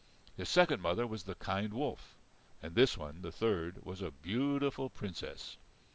His second mother was the kind wolf. And this one, the third, was a beautiful Princess.